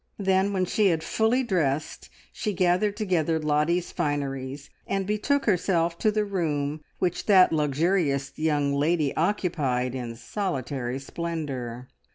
Then when she had fully dressed, she gathered together Lottie's fineries and betook herself to the room which that luxurious young lady occupied in solitary splendour.